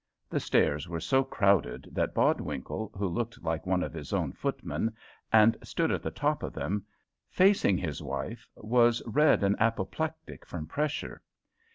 The stairs were so crowded that Bodwinkle, who looked like one of his own footmen, and stood at the top of them, facing his wife, was red and apoplectic from pressure.